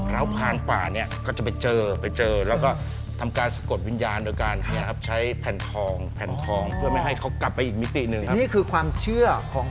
แล้วผ่านป่าเนี่ยก็จะไปเจอแล้วก็ทำการสะกดวิญญาณโดยการใช้แผ่นทองเพื่อไม่ให้เขากลับไปอีกมิติหนึ่ง